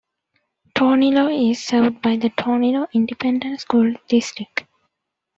Tornillo is served by the Tornillo Independent School District.